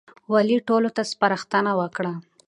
والي ټولو ته سپارښتنه وکړه.